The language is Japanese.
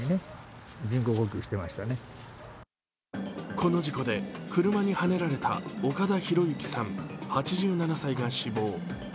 この事故で、車にはねられた岡田博行さん８７歳が死亡。